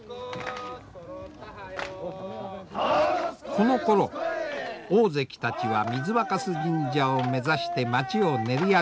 このころ大関たちは水若酢神社を目指して町を練り歩きます。